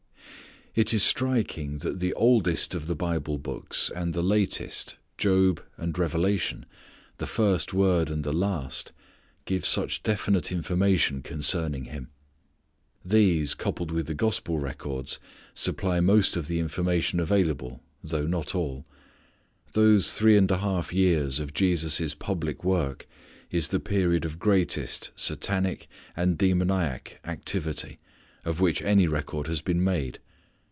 It is striking that the oldest of the Bible books, and the latest, Job and Revelation, the first word and the last, give such definite information concerning him. These coupled with the gospel records supply most of the information available though not all. Those three and a half years of Jesus' public work is the period of greatest Satanic and demoniac activity of which any record has been made.